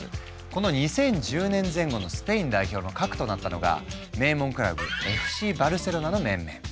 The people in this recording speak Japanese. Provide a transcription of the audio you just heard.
この２０１０年前後のスペイン代表の核となったのが名門クラブＦＣバルセロナの面々。